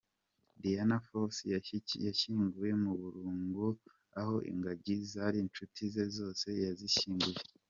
Diana Fossey yashyinguwe mu Birunga aho ingagi zari inshuti ze zose yazishyinguye.